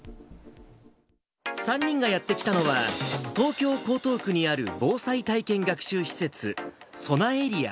３人がやって来たのは、東京・江東区にある防災体験学習施設、そなエリア